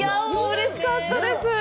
うれしかったです。